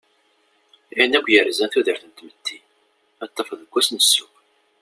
Ayen akk yerzan tudert n tmetti, ad t-tafeḍ deg wass n ssuq.